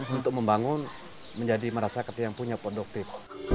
untuk membangun menjadi merasa yang punya produktif